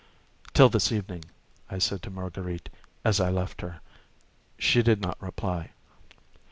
"Till this evening!" I said to Marguerite, as I left her. She did not reply.